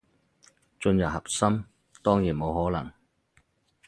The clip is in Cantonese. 進入核心，當然冇可能